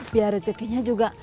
biar rezekinya juga